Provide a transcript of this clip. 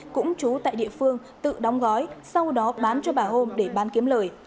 cũng chú tại địa phương tự đóng gói sau đó bán cho bà hôm để bán kiếm lời